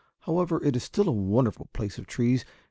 However, it is still a wonderful place of trees.